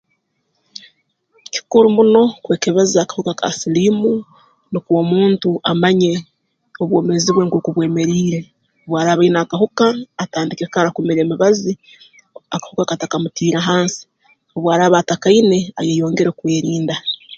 Kikuru muno kwekebeza akahuka ka siliimu nukwo omuntu amanye obwomeezi bwe nkooku bwemeriire obu araba aine akahuka atandike kara kumire emibazi akahuka katakamutiire hansi obu araba atakaine ayeyongere kwerinda